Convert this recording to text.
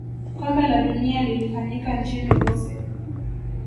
kombe la dunia lilifanyika nchini urusi